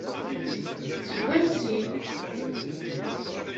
Seg wansi?